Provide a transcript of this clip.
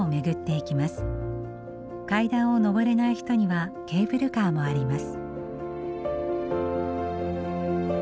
階段を上れない人にはケーブルカーもあります。